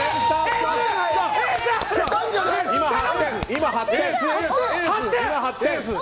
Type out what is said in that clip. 今、８点。